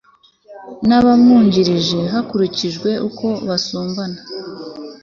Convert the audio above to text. n abamwungirije hakurikijwe uko basumbana